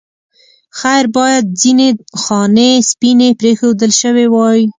خیر باید ځینې خانې سپینې پرېښودل شوې وای.